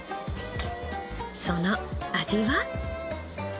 その味は？